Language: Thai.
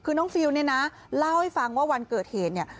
คือน้องฟิลเนี่ยนะเล่าให้ฟังว่าวันเกิดเหตุเนี่ย